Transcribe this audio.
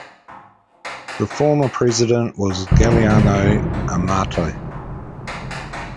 The former president was Giuliano Amato.